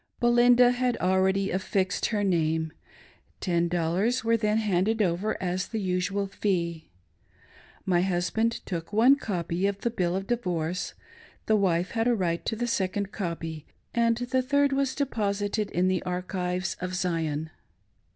Belinda had already affixed her name. Ten dollars were then handed over as the usual fee ; My husband took, one copy of the ■" bill of divorce," the wife had a right to a second copy, and the third was deposited in the archives of Zion.